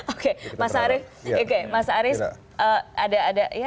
oke mas arief ada